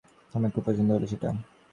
আমার খুব পছন্দ হলো সেটা।